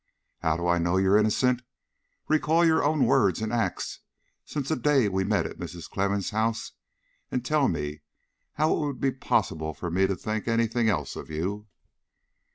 How do I know you are innocent? Recall your own words and acts since the day we met at Mrs. Clemmens' house, and tell me how it would be possible for me to think any thing else of you?"